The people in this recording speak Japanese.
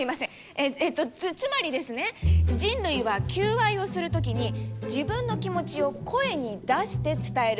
えっとつまりですね人類は求愛をする時に自分の気持ちを声に出して伝える。